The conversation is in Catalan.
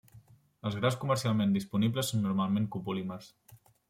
Els graus comercialment disponibles són normalment copolímers.